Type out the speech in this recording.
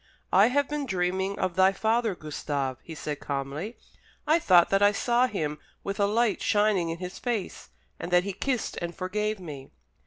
"I have been dreaming of thy father, Gustave," he said calmly. "I thought that I saw him with a light shining in his face, and that he kissed and forgave me."